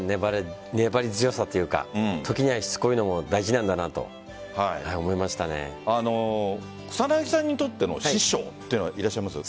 粘り強さというか時にはしつこいのも大事なんだなと草なぎさんにとっての師匠というのはいらっしゃいます